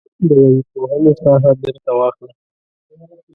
د ويي پوهنې ساحه بیرته واخله.